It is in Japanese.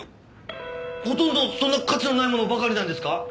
ほとんどそんな価値のないものばかりなんですか？